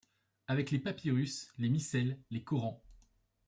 Avec les papyrus, les missels, les korans